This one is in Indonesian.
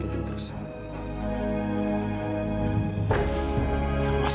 ini nggak bisa dibiarkan kikim terus